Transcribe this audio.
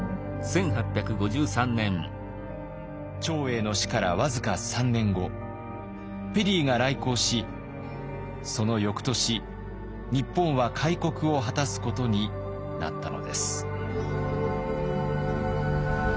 長英の死から僅か３年後ペリーが来航しその翌年日本は開国を果たすことになったのです。